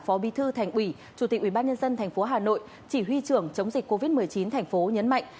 phó bí thư thành ủy chủ tịch ubnd tp hà nội chỉ huy trưởng chống dịch covid một mươi chín thành phố nhấn mạnh